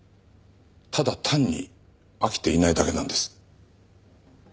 ただ単に飽きていないだけなんです。